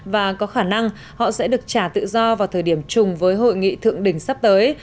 và có khả năng họ sẽ được trả tự do vào thời điểm chung với hội nghị thượng đỉnh sắp tới